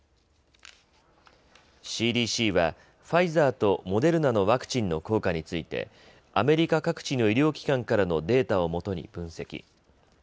ＣＤＣはファイザーとモデルナのワクチンの効果についてアメリカ各地の医療機関からのデータをもとに分析。